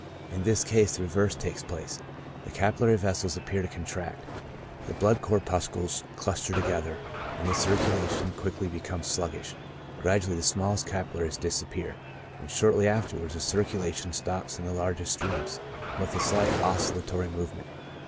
In this case the reverse takes place ; the capillary vessels appear to contract, the blood corpuscles cluster together, and the circulation quickly be comes sluggish ; gradually the smallest capillaries disappear, and shortly afterwards the circulation stops in the largest streams, with a slight oscillatory movement.